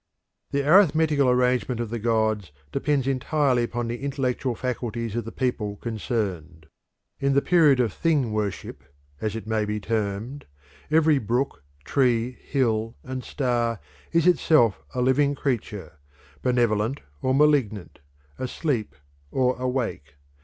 The arithmetical arrangement of the gods depends entirely upon the intellectual faculties of the people concerned. In the period of thing worship, as it may be termed, every brook, tree, hill, and star is itself a living creature, benevolent or malignant, asleep or awake.